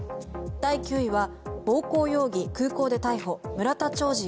第９位は暴行容疑、空港で逮捕村田兆治